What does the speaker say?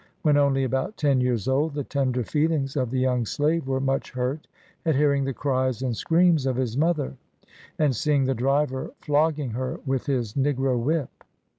When only about ten years old. the tender feelings of the young slave were much hurt at hearing the cries and screams of his mother, and seeing the driver flogging her with his negro whip.